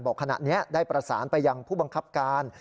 ขณะนี้ได้ประสานไปยังผู้บังคับการ